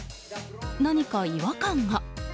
何か違和感が。